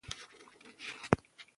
د فرهنګي بدلون له لارې موږ سره یو شو.